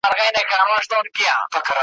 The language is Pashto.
چي زه الوزم پر تاسي څه قیامت دی ,